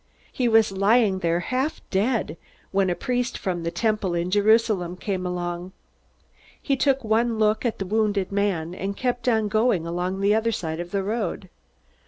He was lying there half dead, when a priest from the Temple in Jerusalem came along. He took one look at the wounded man, and kept on going along the other side of the road.